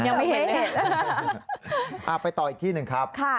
ยังไม่เห็นเลยไปต่ออีกที่หนึ่งครับค่ะ